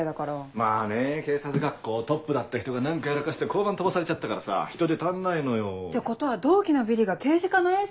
まぁね警察学校トップだった人が何かやらかして交番飛ばされちゃったからさ人手足んないのよ。ってことは同期のビリが刑事課のエース？